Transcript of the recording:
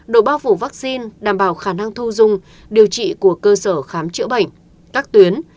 độ bao phủ vaccine đảm bảo khả năng thu dung điều trị của cơ sở khám chữa bệnh các tuyến